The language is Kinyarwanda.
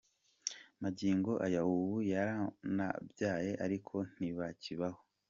Magingo aya ubu yaranabyaye ariko ntibakibana.